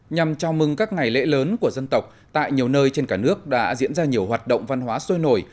nhằm chào mừng các ngày lễ lớn của dân tộc tại nhiều nơi trên cả nước đã diễn ra nhiều hoạt động văn hóa sôi nổi